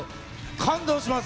感動します。